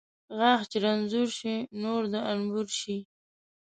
غاښ چې رنځور شي ، نور د انبور شي .